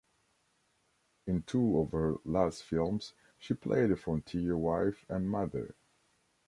In two of her last films she played a frontier wife and mother.